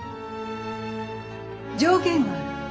条件がある。